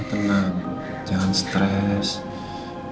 kamu tenang jangan stress